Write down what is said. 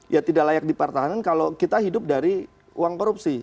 ya tidak layak dipertahankan kalau kita hidup dari uang korupsi